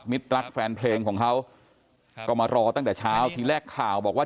รักแฟนเพลงของเขาก็มารอตั้งแต่เช้าทีแรกข่าวบอกว่า